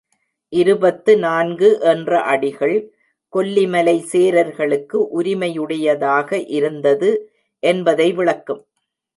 இருபத்து நான்கு என்ற அடிகள் கொல்லிமலை சேரர்களுக்கு உரிமையுடையதாக இருந்தது என்பதை விளக்கும்.